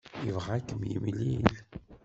Yebɣa ad kem-yemlil.